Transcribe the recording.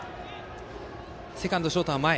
セカンド、ショートは前。